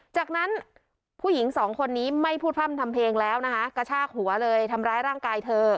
จากนั้นผู้หญิงสองคนนี้ไม่พูดพร่ำทำเพลงแล้วนะคะกระชากหัวเลยทำร้ายร่างกายเธอ